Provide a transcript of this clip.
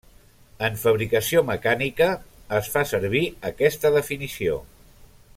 En fabricació mecànica es fa servir aquesta definició.